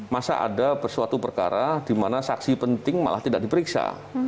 masa ada suatu perkara di mana saksi penting malah tidak diperiksa